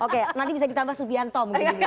oke nanti bisa ditambah subianto